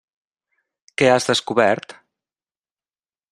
Què has descobert?